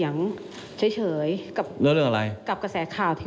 ยังไม่เอาเลือกตั้งมาอะไร